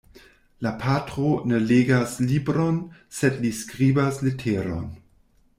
La patro ne legas libron, sed li skribas leteron.